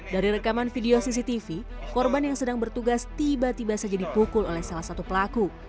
dari rekaman video cctv korban yang sedang bertugas tiba tiba saja dipukul oleh salah satu pelaku